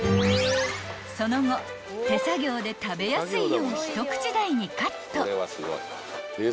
［その後手作業で食べやすいよう一口大にカット］